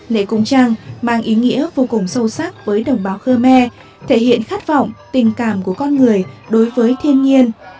lễ cống trăng mang ý nghĩa vô cùng sâu sắc với đồng báo khmer thể hiện khát vọng tình cảm của con người đối với thiên nhiên